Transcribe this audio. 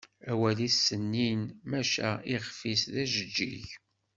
Awal-is sennin maca ixf-is d ajeǧǧig.